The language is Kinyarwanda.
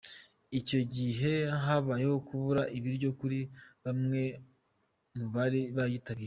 Icyo gihe habayeho kubura ibiryo kuri bamwe mu bari bayitabiriye.